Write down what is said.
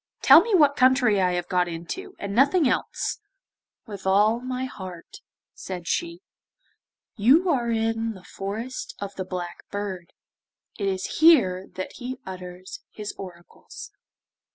Tell me what country I have got into, and nothing else.' 'With all my heart,' said she. 'You are in the Forest of the Black Bird; it is here that he utters his oracles.